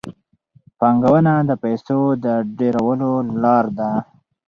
پانګونه د پیسو د ډېرولو لار ده.